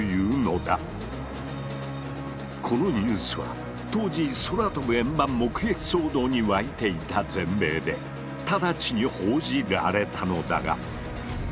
このニュースは当時「空飛ぶ円盤目撃騒動」に沸いていた全米で直ちに報じられたのだが。